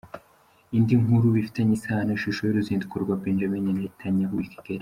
Indi nkuru bifitanye isano: Ishusho y’uruzinduko rwa Benjamin Netanyahu i Kigali.